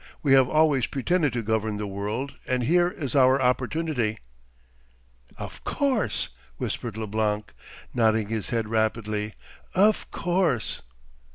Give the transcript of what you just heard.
We have always pretended to govern the world and here is our opportunity.' 'Of course,' whispered Leblanc, nodding his head rapidly, 'of course.